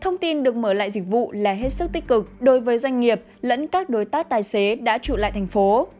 nhiệm vụ là hết sức tích cực đối với doanh nghiệp lẫn các đối tác tài xế đã trụ lại thành phố